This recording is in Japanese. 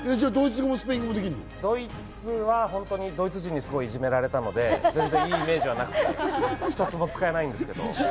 ドイツ人にいじめられたので、全然イメージいいのがなくて、一つも使えないんですけれども。